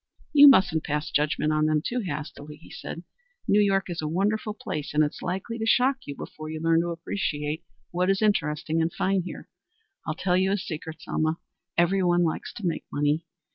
"You mustn't pass judgment on them too hastily," he said. "New York is a wonderful place, and it's likely to shock you before you learn to appreciate what is interesting and fine here. I will tell you a secret, Selma. Every one likes to make money.